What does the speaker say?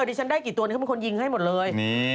ดิฉันได้กี่ตัวมีคนยิงให้หมดเลย